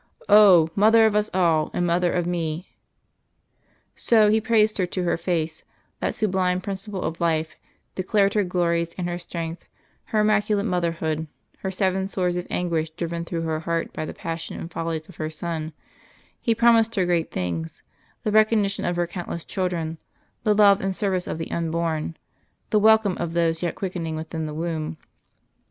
"Oh! Mother of us all, and Mother of Me!" So He praised her to her face, that sublime principle of life, declared her glories and her strength, her Immaculate Motherhood, her seven swords of anguish driven through her heart by the passion and the follies of her Son He promised her great things, the recognition of her countless children, the love and service of the unborn, the welcome of those yet quickening within the womb.